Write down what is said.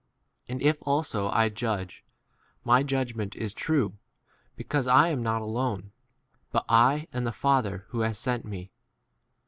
And if also I " judge, my judgment is true, because I am not alone, but I " and the Fa tt ther who has sent me.